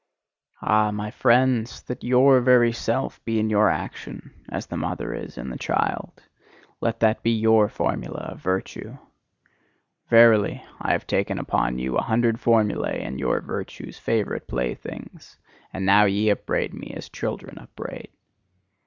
Ah! my friends! That YOUR very Self be in your action, as the mother is in the child: let that be YOUR formula of virtue! Verily, I have taken from you a hundred formulae and your virtue's favourite playthings; and now ye upbraid me, as children upbraid.